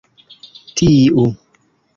tiu